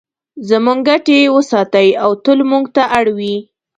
زموږ ګټې وساتي او تل موږ ته اړ وي.